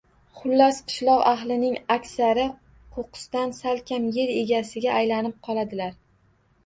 Xullas, qishloq ahlining aksari qo‘qqisdan salkam yer egasiga aylanib qoladigan